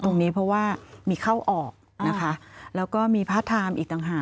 ตรงนี้เพราะว่ามีเข้าออกนะคะแล้วก็มีพาร์ทไทม์อีกต่างหาก